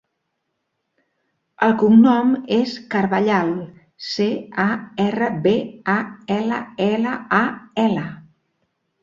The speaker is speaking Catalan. El cognom és Carballal: ce, a, erra, be, a, ela, ela, a, ela.